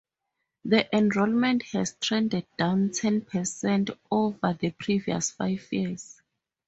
The enrollment has trended down ten percent over the previous five years.